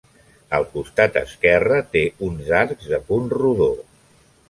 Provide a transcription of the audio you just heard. Al costat esquerre té uns arcs de punt rodó.